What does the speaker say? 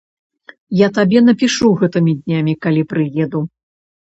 Я табе напішу гэтымі днямі, калі прыеду.